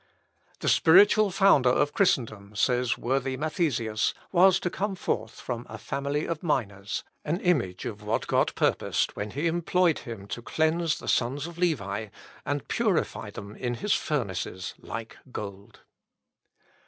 "The spiritual founder of Christendom," says worthy Mathesius, "was to come forth from a family of miners, an image of what God purposed, when he employed him to cleanse the sons of Levi, and purify them in his furnaces like gold."